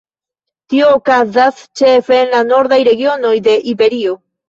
Tio okazas ĉefe en la nordaj regionoj de Iberio.